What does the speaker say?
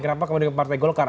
kenapa kemudian ke partai golkar